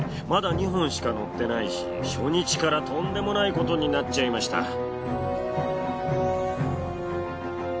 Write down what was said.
まだ２本しか乗ってないし初日からとんでもないことになっちゃいました。